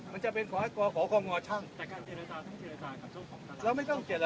มันจะเป็นของหลักก็ของความงอชั่งแล้วก็เจรจา